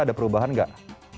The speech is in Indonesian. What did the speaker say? ada perubahan gak